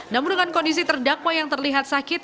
namun dengan kondisi terdakwa yang terlihat sakit